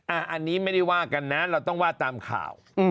อันนี้ไม่ได้ว่ากันนะเราต้องว่าตามข่าว